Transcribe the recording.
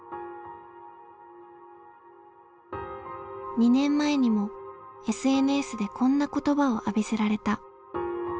２年前にもＳＮＳでこんな言葉を浴びせられた。